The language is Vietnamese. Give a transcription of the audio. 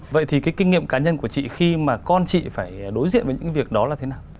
vậy thì cái kinh nghiệm cá nhân của chị khi mà con chị phải đối diện với những việc đó là thế nào